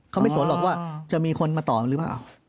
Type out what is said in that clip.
เขาไม่สนหรอกว่าจะมีคนมาต่อหรือเปล่า